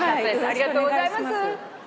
ありがとうございます。